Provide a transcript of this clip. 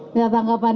pak di bawah